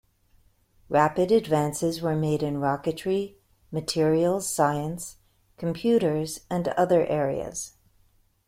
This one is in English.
Rapid advances were made in rocketry, materials science, computers and other areas.